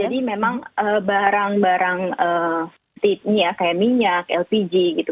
ya jadi memang barang barang seperti ini ya kayak minyak lpg gitu